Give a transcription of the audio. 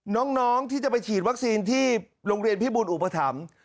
น้องที่จะไปฉีดวัคซีนที่โรงเรียนพิบูลอุปถัมภ์